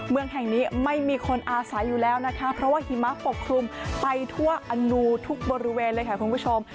เมืองแห่งนี้ไม่มีคนอาศัยอยู่แล้วนะคะเพราะว่าหิมะปกคลุมไปทั่วอนูทุกบริเวณเลยค่ะคุณผู้ชม